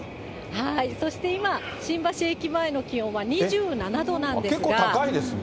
そして今、新橋駅前の気温は２７度なんですが。